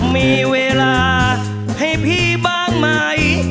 มีเวลาให้พี่บ้างไหม